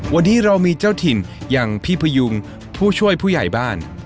วันนี้เรามีเจ้าถิ่นอย่างพี่พยุงผู้ช่วยผู้ใหญ่บ้าน